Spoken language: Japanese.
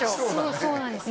そうなんですよ